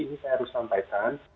ini saya harus sampaikan